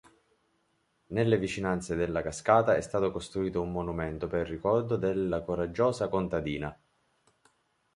Nelle vicinanze della cascata è stato costruito un monumento per ricordo della coraggiosa contadina.